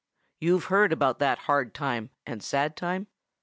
You've heard about that hard time and sad time?"